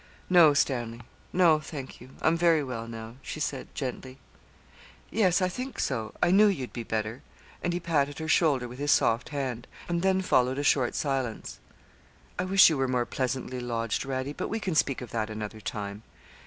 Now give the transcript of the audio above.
'No, Stanley; no, thank you. I'm very well now,' she said, gently. 'Yes, I think so. I knew you'd be better.' And he patted her shoulder with his soft hand; and then followed a short silence. 'I wish you were more pleasantly lodged, Radie; but we can speak of that another time.'